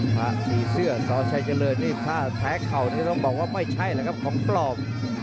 พระสีเสื้อสชัยเจริญนี่ถ้าแพ้เข่านี่ต้องบอกว่าไม่ใช่แล้วครับของปลอม